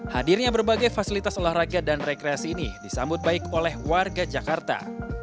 hadirnya berbagai fasilitas olahraga dan rekreasi ini disambut baik oleh warga jakarta